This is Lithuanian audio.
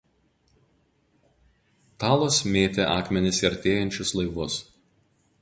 Talos mėtė akmenis į artėjančius laivus.